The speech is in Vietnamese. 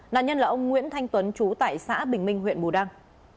nạn nhân là ông nguyễn thanh tuấn chú tại xã bình minh huyện bù đăng